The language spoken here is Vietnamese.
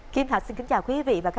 kim thạch xin kính chào quý vị và các bạn